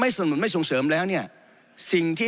ตามน้ำหนุนกำหนดคือมากกว่า๕หมื่นชื่อ